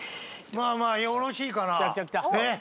まあまあよろしいかな？